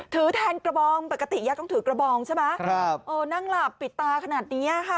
ถือแทนกระบองปกติยาต้องถือกระบองใช่ไหมครับเออนั่งหลับปิดตาขนาดเนี้ยค่ะ